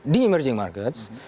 di emerging markets